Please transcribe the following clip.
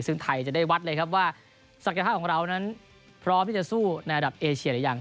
ซึ่งไทยจะได้วัดเลยครับว่าศักยภาพของเรานั้นพร้อมที่จะสู้ในระดับเอเชียหรือยัง